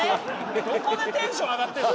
どこでテンション上がってるの？